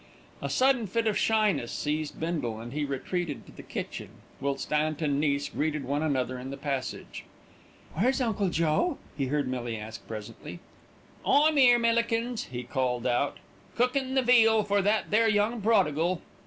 A sudden fit of shyness seized Bindle, and he retreated to the kitchen; whilst aunt and niece greeted one another in the passage. "Where's Uncle Joe?" he heard Millie ask presently. "I'm 'ere, Millikins," he called out, "cookin' the veal for that there young prodigal."